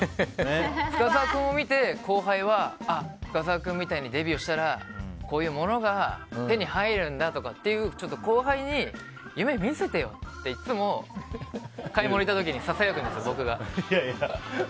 深澤君を見て後輩はあ、深澤君みたいにデビューしたらこういうものが手に入るんだとかっていう後輩に夢見せてよっていつも買い物行った時にささやくんですよ、僕が。